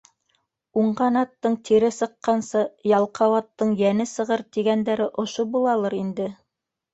«Уңған аттың тире сыҡҡансы, ялҡау аттың йәне сығыр» тигәндәре ошо булалыр инде.